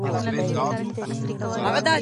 مځکه د ژوند د ملاتړ لپاره تر ټولو مناسبه سیاره ده.